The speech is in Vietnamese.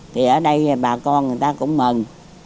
thì ở đây bà con người ta cũng mừng